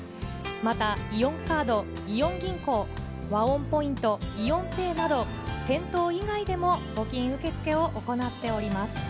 また、イオンカード、イオン銀行、ワオンポイント、イオンペイなど、店頭以外でも募金受け付けを行っております。